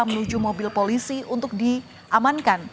menuju mobil polisi untuk diamankan